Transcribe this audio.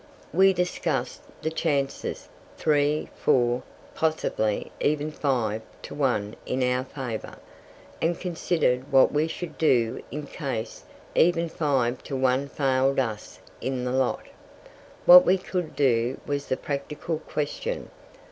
We discussed the chances three, four, possibly even five to one in our favour and considered what we should do in case even five to one failed us in the lot. What we COULD do was the practical question.